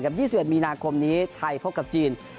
๒๑มีนาคมนี้ไทยพบกับจีน